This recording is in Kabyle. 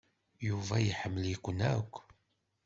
Yuba iḥemmel-iken akk.